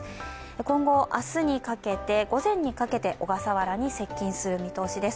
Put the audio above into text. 今後、明日の午前にかけて小笠原に接近する見通しです。